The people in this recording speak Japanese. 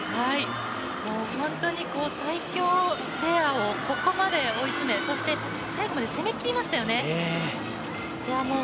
本当に最強ペアをここまで追い詰めそして最後まで攻めきりましたよね。